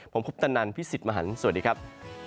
ผมคุปตะนันพี่สิทธิ์มหันฯสวัสดีครับ